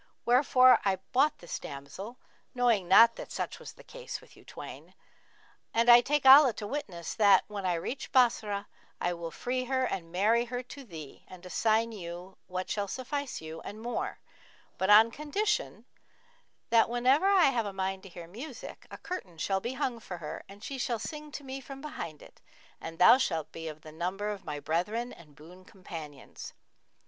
Wherefore I bought this damsel, knowing not that such was the case with you twain; and I take Allah to witness that, when I reach Bassorah I will free her and marry her to thee and assign you what shall suffice you, and more; but on condition that, whenever I have a mind to hear music, a curtain shall be hung for her and she shall sing to me from behind it, and thou shalt be of the number of my brethren and boon companions.'